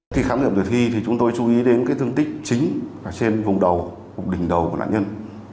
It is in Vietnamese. khi khám nghiệm tử thi thì chúng tôi chú ý đến cái thương tích chính trên vùng đầu vùng đỉnh đầu của nạn nhân